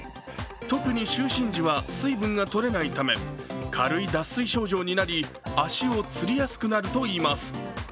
特に就寝時は水分がとれないため、軽い脱水症状になり、足をつりやすくなるといいます。